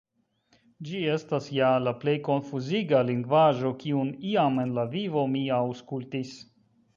Ĝi estas ja la plej konfuziga lingvaĵo kiun iam en la vivo mi aŭskultis.